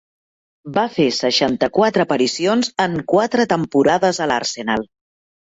Va fer seixanta-quatre aparicions en quatre temporades a l'Arsenal.